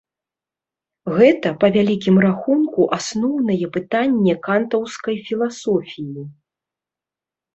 Гэта, па вялікім рахунку, асноўнае пытанне кантаўскай філасофіі.